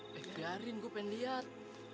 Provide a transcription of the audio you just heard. biarin gue pengen liat